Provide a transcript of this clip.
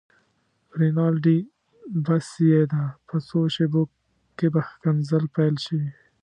رینالډي: بس یې ده، په څو شېبو کې به ښکنځل پيل شي.